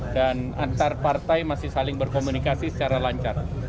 dan antarpartai masih saling berkomunikasi secara lancar